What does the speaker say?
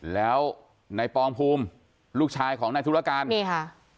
แล้วในปองภูมิลูกชายของนายธุรการนี่ค่ะ